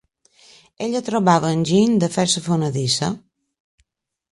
Ella trobava enginy de fer-se fonedissa.